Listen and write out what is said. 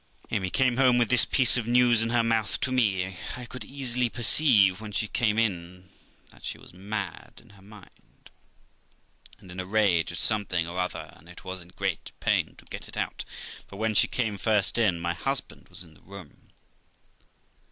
Amy came home with this piece of news in her mouth to me. I could easily perceive when she came in, that she was mad in her mind, and in a rage at something or other, and was in great pain to get it out; for when she came first in, my husband was in the room.